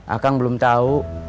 akang belum tahu